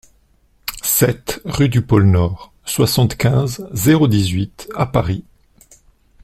sept rUE DU POLE NORD, soixante-quinze, zéro dix-huit à Paris